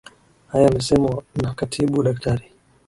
Hayo yamesemwa na Katibu Daktari